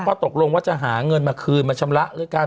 ตกลงว่าจะหาเงินมาคืนมาชำระด้วยกัน